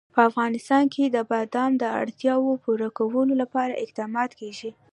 په افغانستان کې د بادام د اړتیاوو پوره کولو لپاره اقدامات کېږي.